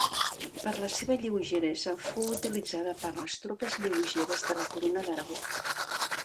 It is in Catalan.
Per la seva lleugeresa fou utilitzada per les tropes lleugeres de la Corona d'Aragó.